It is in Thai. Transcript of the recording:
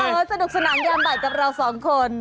โอ้โหสนุกสนานยามบ่ายกับเราสองคน